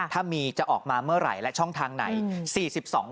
ถ้ามีจะออกมาเมื่อไหร่และช่องทางไหน